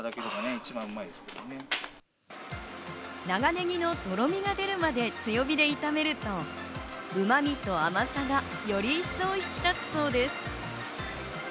長ネギのとろみが出るまで強火で炒めると、うまみと甘さがより一層引き立つそうです。